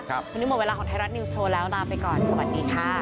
วันนี้หมดเวลาของไทยรัฐนิวส์โชว์แล้วลาไปก่อนสวัสดีค่ะ